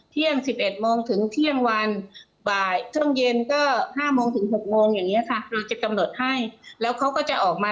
ที่๑๑มงถึงที่เที่ยงวัน